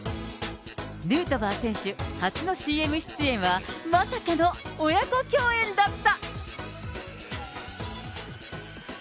ヌートバー選手、初のＣＭ出演は、まさかの親子共演だった。